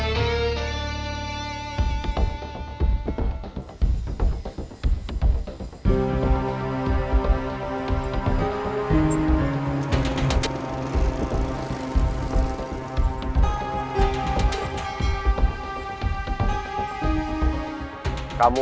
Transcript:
kamu gak bisa